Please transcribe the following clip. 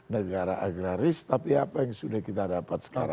negara agraris tapi apa yang sudah kita dapat sekarang